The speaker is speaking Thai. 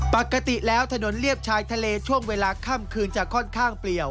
ปกติแล้วถนนเลียบชายทะเลช่วงเวลาค่ำคืนจะค่อนข้างเปลี่ยว